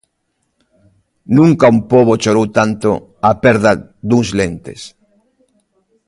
Nunca un pobo chorou tanto a perda duns lentes.